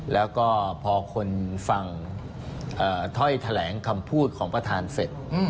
แล้วก็พอคนฟังถ้อยแถลงคำพูดของประธานเสร็จ